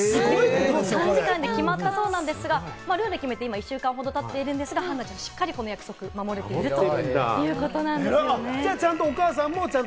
３時間で決まったそうなんですが、ルールを決めて今、１週間ほど経っているそうですが、しっかりと約束を守れているということなんですね、はんなさん。